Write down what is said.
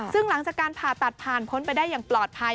ซึ่งหลังจากการผ่าตัดผ่านพ้นไปได้อย่างปลอดภัย